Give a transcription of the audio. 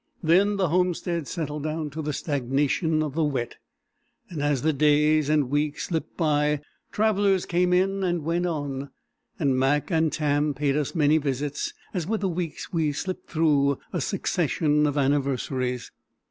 Then the homestead settled down to the stagnation of the Wet, and as the days and weeks slipped by, travellers came in and went on, and Mac and Tam paid us many visits, as with the weeks we slipped through a succession of anniversaries.